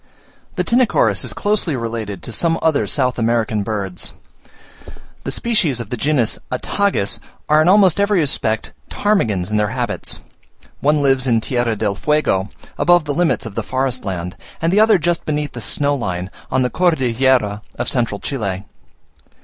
The Tinochorus is closely related to some other South American birds. Two species of the genus Attagis are in almost every respect ptarmigans in their habits; one lives in Tierra del Fuego, above the limits of the forest land; and the other just beneath the snow line on the Cordillera of Central Chile.